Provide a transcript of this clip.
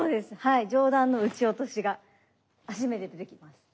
上段の打ち落としが初めて出てきます。